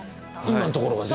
今のところが全部。